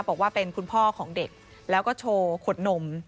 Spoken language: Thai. บอกว่าเป็นคุณพ่อของเด็กแล้วก็โชว์ขวดนม